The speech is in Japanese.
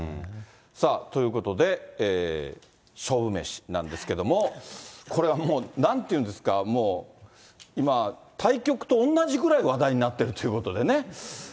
さあ、ということで、勝負メシなんですけれども、これはもう、なんていうんですか、もう今、対局と同じぐらい、話題になってるっていうことでね。